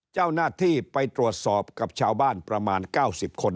เจ้าหน้าที่ไปตรวจสอบกับชาวบ้านประมาณ๙๐คน